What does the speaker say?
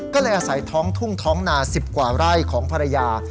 ก็เลยอาศัยท้องทุ่งท้องนา๑๐กว่าไร่ของภรรยา